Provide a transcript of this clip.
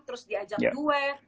terus diajak duet